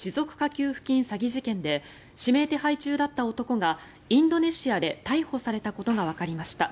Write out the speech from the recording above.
給付金詐欺事件で指名手配中だった男がインドネシアで逮捕されたことがわかりました。